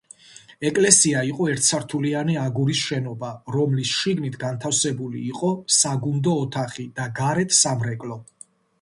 ეკლესია იყო ერთსართულიანი აგურის შენობა, რომლის შიგნით განთავსებული იყო საგუნდო ოთახი და გარეთ სამრეკლო.